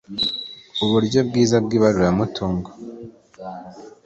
Uburyo bwiza bw ibaruramutungo